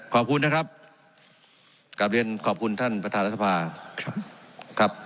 ขอบคุณนะครับกลับเรียนขอบคุณท่านประธานรัฐสภาครับ